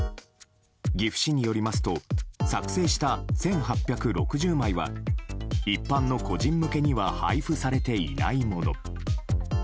岐阜市によりますと作成した１８６０枚は一般の個人向けには配布されていないもの。